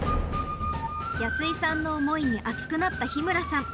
安居さんの思いに熱くなった日村さん。